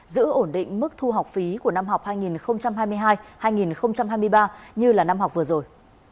giữ ổn định mức thu học phí của năm học hai nghìn hai mươi hai hai nghìn hai mươi ba như là năm học vừa rồi